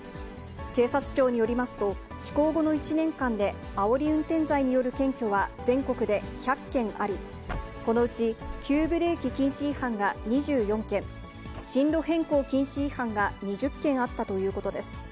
警察庁によりますと、施行後の１年間で、あおり運転罪による検挙は全国で１００件あり、このうち、急ブレーキ禁止違反が２４件、進路変更禁止違反が２０件あったということです。